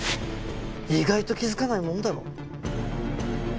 意外と気づかないもんだろ。